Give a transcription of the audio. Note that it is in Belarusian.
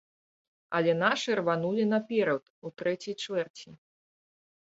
Але нашы рванулі наперад у трэцяй чвэрці.